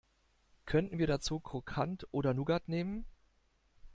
Können wir dazu Krokant oder Nougat nehmen?